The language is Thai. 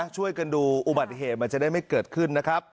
ช่วยกันดูอุบัติเหตุมันจะได้ไม่เกิดขึ้นนะครับ